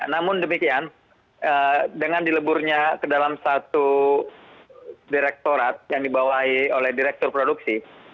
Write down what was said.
namun demikian dengan dileburnya ke dalam satu direktorat yang dibawahi oleh direktur produksi